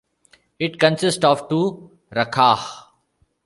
It consists of two raka'ah.